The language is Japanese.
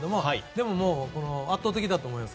でも、圧倒的だと思います。